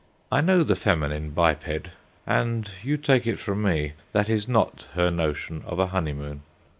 I know the feminine biped and, you take it from me, that is not her notion of a honeymoon.